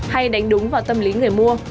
hay đánh đúng vào tâm lý người mua